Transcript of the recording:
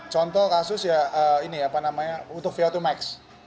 contoh kasus ya ini apa namanya untuk vo dua max